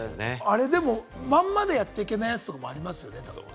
あれ、まんまでやっちゃいけないやつとかもありますよね。